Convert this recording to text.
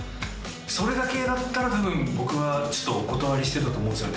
それだけだったら多分僕はお断りしてたと思うんですよね。